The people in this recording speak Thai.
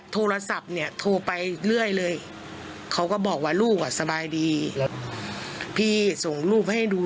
โทรศัพท์เนี่ยโทรไปเรื่อยเลยเขาก็บอกว่าลูกอ่ะสบายดีพี่ส่งรูปให้ดู